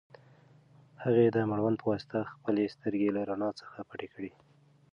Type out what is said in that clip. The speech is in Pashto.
هغې د مړوند په واسطه خپلې سترګې له رڼا څخه پټې کړې.